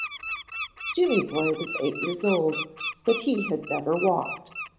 Jimmy boy was eight years old, but he had never walked.